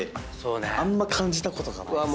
あんま感じたことがないですね。